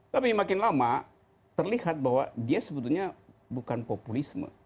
tapi makin lama terlihat bahwa dia sebetulnya bukan populisme